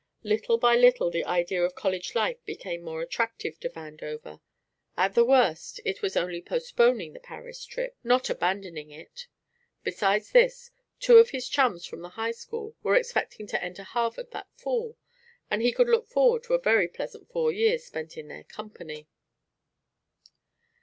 Little by little the idea of college life became more attractive to Vandover; at the worst, it was only postponing the Paris trip, not abandoning it. Besides this, two of his chums from the High School were expecting to enter Harvard that fall, and he could look forward to a very pleasant four years spent in their company.